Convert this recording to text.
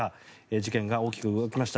事件が大きく動きました。